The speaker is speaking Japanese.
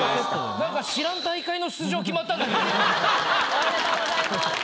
おめでとうございます。